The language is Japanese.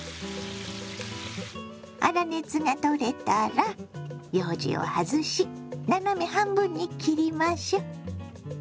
粗熱が取れたらようじを外し斜め半分に切りましょ。